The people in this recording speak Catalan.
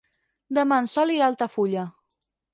Demà en Sol irà a Altafulla.